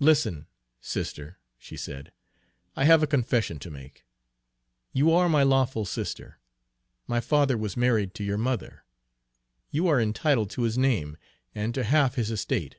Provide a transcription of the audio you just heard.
"Listen, sister!" she said. "I have a confession to make. You are my lawful sister. My father was married to your mother. You are entitled to his name, and to half his estate."